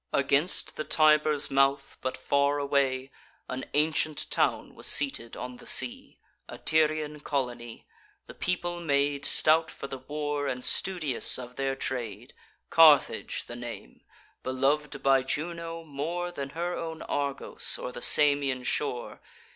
Against the Tiber's mouth, but far away, An ancient town was seated on the sea; A Tyrian colony; the people made Stout for the war, and studious of their trade: Carthage the name; belov'd by Juno more Than her own Argos, or the Samian shore.